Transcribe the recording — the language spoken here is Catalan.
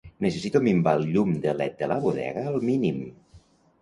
Necessito minvar el llum de led de la bodega al mínim.